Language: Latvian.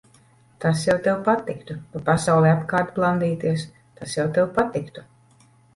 Tas jau tev patiktu. Pa pasauli apkārt blandīties, tas jau tev patiktu.